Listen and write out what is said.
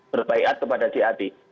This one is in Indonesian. berbaikat kepada jad